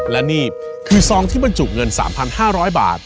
และนี่คือซองที่บรรจุเงิน๓๕๐๐บาท